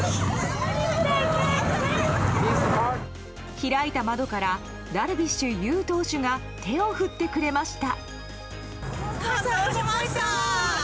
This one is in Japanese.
開いた窓からダルビッシュ有投手が手を振ってくれました。